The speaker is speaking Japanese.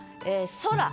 「空」